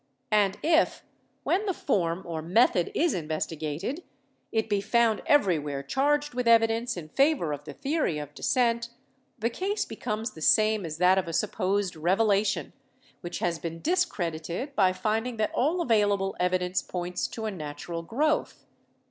And if, when the form or method is investi gated, it be found everywhere charged with evidence in favor of the theory of descent, the case becomes the same as that of a supposed revelation, which has been discred ited by finding that all available evidence points to a nat ural growth.